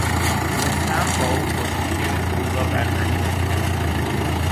رستم با او کشتی گرفت و او را بر زمین افکند.